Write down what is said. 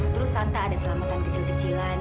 terus tanpa ada selamatan kecil kecilan